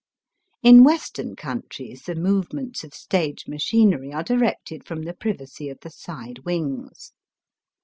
In Western countries the movements of stage machinery are directed from the privacy of the side wings.